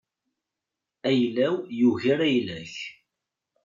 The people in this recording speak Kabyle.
Ayla-w yugar ayla-k.